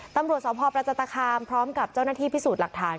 ตำรวจสพประจันตคามพร้อมกับเจ้าหน้าที่พิสูจน์หลักฐาน